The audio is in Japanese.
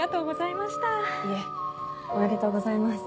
いえおめでとうございます。